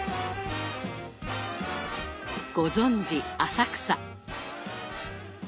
ご存じ浅草。